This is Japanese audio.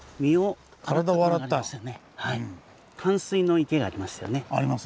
淡水の池がありましたよね。